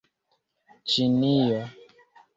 ĉinio